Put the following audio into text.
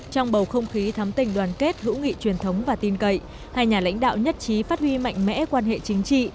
trong bầu không khí thắm tình đoàn kết hữu nghị truyền thống và tin cậy hai nhà lãnh đạo nhất trí phát huy mạnh mẽ quan hệ chính trị